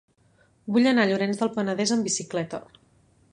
Vull anar a Llorenç del Penedès amb bicicleta.